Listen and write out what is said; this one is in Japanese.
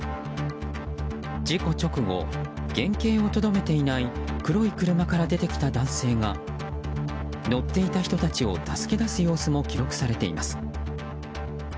事故直後、原形をとどめていない黒い車から出てきた男性が乗っていた人たちを助け出す様子も記録されています。